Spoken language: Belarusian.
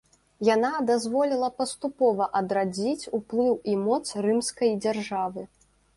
Яна дазволіла паступова адрадзіць уплыў і моц рымскай дзяржавы.